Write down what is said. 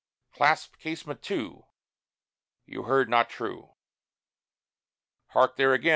Clasp casement to, You heard not true. Hark there again!